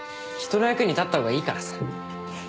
人の役に立った方がいいからさ。